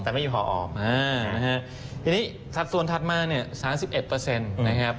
แต่ไม่อยู่พอออม